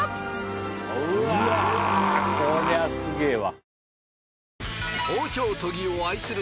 うわぁこりゃすげえわ。